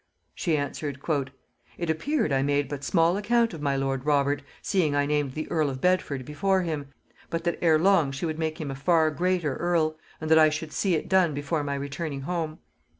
She answered, "it appeared I made but small account of my lord Robert, seeing I named the earl of Bedford before him, but that erelong she would make him a far greater earl, and that I should see it done before my returning home.